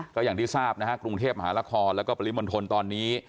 ก็อย่างที่ทราบนะฮะกรุงเทพมหานครแล้วก็ปริมณฑลตอนนี้